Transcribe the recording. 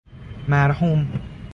مرحوم